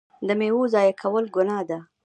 د میوو ضایع کول ګناه ده.